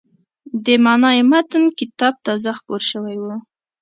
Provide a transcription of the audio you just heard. د «معنای متن» کتاب تازه خپور شوی و.